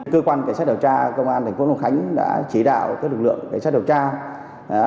cơ quan cảnh sát điều tra công an thành phố long khánh đã chỉ đạo các lực lượng cảnh sát điều tra